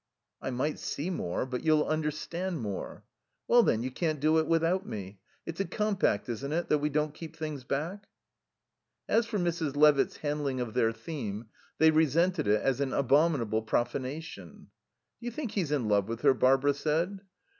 "I might see more, but you'll understand more." "Well, then, you can't do without me. It's a compact, isn't it, that we don't keep things back?" As for Mrs. Levitt's handling of their theme they resented it as an abominable profanation. "Do you think he's in love with her?" Barbara said.